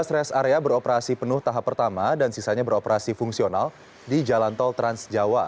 tiga belas rest area beroperasi penuh tahap pertama dan sisanya beroperasi fungsional di jalan tol trans jawa